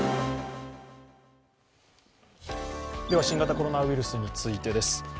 新型コロナウイルスについてです。